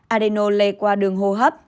adeno lây qua đường hồ hấp